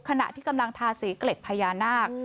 ขณะที่กำลังทาสีเกล็ดพญานาค